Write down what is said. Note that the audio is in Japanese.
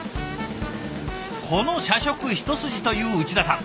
この社食一筋という内田さん。